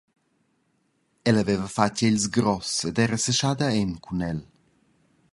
Ella veva fatg egls gross ed era seschada en cun el.